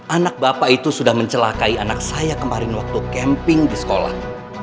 anak bapak itu sudah mencelakai anak saya kemarin waktu camping di sekolah